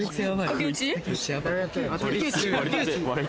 竹内？